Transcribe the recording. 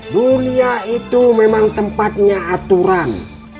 dunia itu memang tempatnya aturan